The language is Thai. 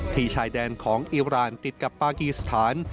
พี่ใช่แดนของอิรานติดกับปากิสธาน